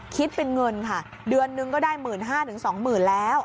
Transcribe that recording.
คิดเป็นเงินค่ะเดือนนึงก็ได้๑๕๐๐๒๐๐๐แล้ว